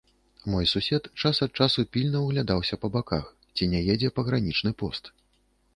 Мой сусед час ад часу пільна ўглядаўся па баках, ці не едзе пагранічны пост.